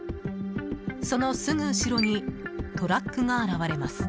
そのすぐ後ろにトラックが現れます。